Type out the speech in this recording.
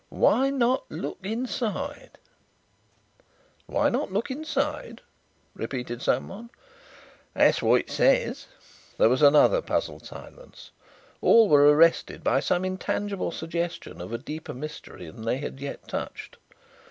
'Why not look inside?'" "'Why not look inside?'" repeated someone. "That's what it says." There was another puzzled silence. All were arrested by some intangible suggestion of a deeper mystery than they had yet touched.